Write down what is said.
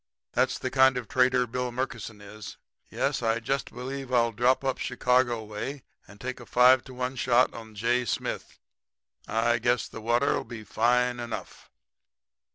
That's the kind of trader Bill Murkison is. Yes, I jist believe I'll drop up Chicago way and take a 5 to 1 shot on J. Smith. I guess the water'll be fine enough.'